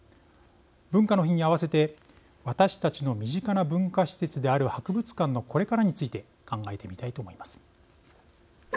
文化の日に合わせて私たちの身近な文化施設である博物館のこれからについて考えてみたいと思います。